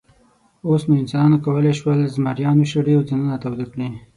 اوس نو انسانانو کولی شول، زمریان وشړي او ځانونه تاوده کړي.